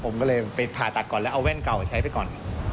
ผมก็เลยไปผ่าตัดก่อนแล้วเอาแว่นเก่าใช้ไปก่อน